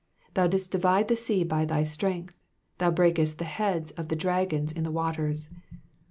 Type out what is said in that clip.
13 Thou didst divide the sea by thy strength : thou brakest the heads of the dragons in the waters.